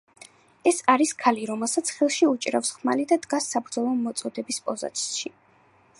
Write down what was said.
ეს არის ქალი, რომელსაც ხელში უჭირავს ხმალი და დგას საბრძოლო მოწოდების პოზაში.